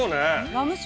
◆ラム酒。